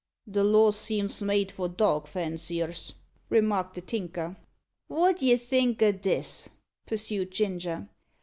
"The law seems made for dog fanciers," remarked the Tinker. "Wot d'ye think o' this?" pursued Ginger.